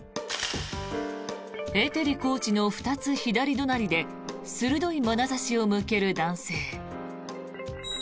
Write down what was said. エテリコーチの２つ左隣で鋭いまなざしを向ける男性。